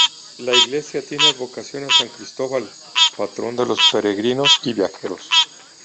La iglesia tiene advocación a San Cristóbal, patrón de los peregrinos y viajeros.